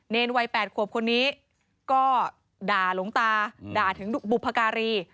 วัย๘ขวบคนนี้ก็ด่าหลวงตาด่าถึงบุพการี